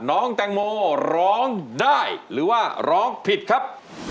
น้องแตงโมร้องได้หรือว่าร้องผิดครับ